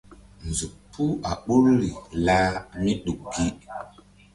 Nzuk puh a ɓoruri lah mí ɗuk gi.